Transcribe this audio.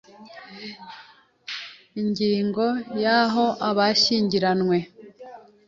Ingingo ya Aho abashyingiranywe